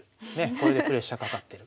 これでプレッシャーかかってる。